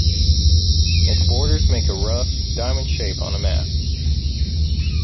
Its borders make a rough diamond shape on a map.